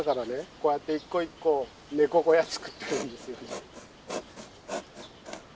こうやって一個一個ネコ小屋作ってるんですよ。